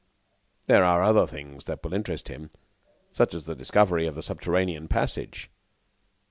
"There are other things that will interest him, such as the discovery of the subterranean passage."